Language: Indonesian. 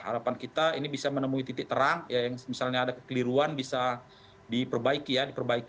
harapan kita ini bisa menemui titik terang yang misalnya ada keliruan bisa diperbaiki ya